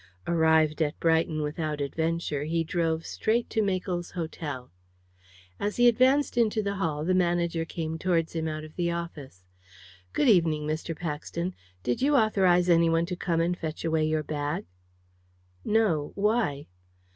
Arrived at Brighton without adventure, he drove straight to Makell's Hotel. As he advanced into the hall, the manager came towards him out of the office. "Good evening, Mr. Paxton. Did you authorise any one to come and fetch away your bag?" "No. Why?"